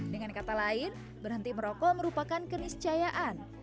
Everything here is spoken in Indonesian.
dengan kata lain berhenti merokok merupakan keniscayaan